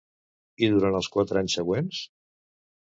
I durant els quatre anys següents?